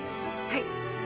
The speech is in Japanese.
はい。